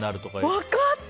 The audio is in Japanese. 分かった！